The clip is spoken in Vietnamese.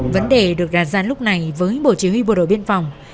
vấn đề được đàn gian lúc này với bộ chỉ huy bộ đội biên phòng